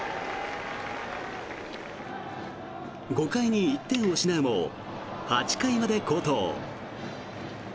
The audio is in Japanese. ５回に１点を失うも８回まで好投。